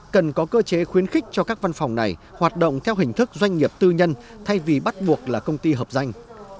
cần có cơ chế khuyến khích cho các văn phòng này hoạt động theo hình thức doanh nghiệp tư nhân thay vì bắt buộc là công ty hợp danh